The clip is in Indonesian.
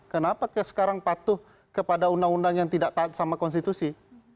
kenapa sekarang patuh kepada undang undang yang tidak taat sama konstitusi